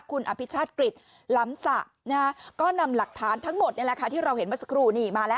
คุณอภิชาศกฤทธิ์ล้ำสะก็นำหลักฐานทั้งหมดที่เราเห็นว่าสกรู